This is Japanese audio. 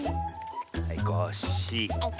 はいコッシー。